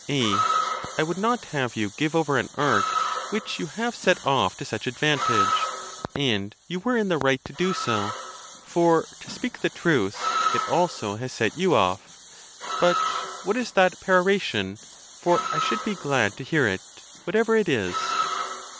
A. I would not have you give over an art which you have set off to such advantage; and you were in the right to do so, for, to speak the truth, it also has set you off. But what is that peroration? For I should be glad to hear it, whatever it is.